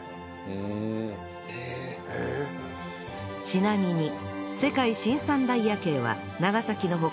ちなみに世界新三大夜景は長崎の他